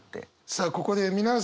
さあここで皆さん